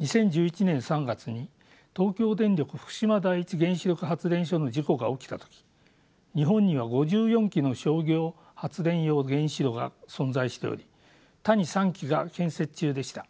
２０１１年３月に東京電力福島第一原子力発電所の事故が起きた時日本には５４基の商業発電用原子炉が存在しており他に３基が建設中でした。